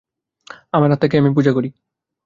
আমার আত্মাকেই আমি পূজা করি।